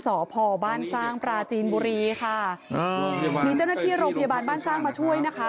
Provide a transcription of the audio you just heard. สพบ้านสร้างปราจีนบุรีค่ะอ่ามีเจ้าหน้าที่โรงพยาบาลบ้านสร้างมาช่วยนะคะ